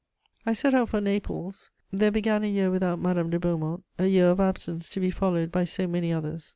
I set out for Naples: there began a year without Madame de Beaumont, a year of absence to be followed by so many others!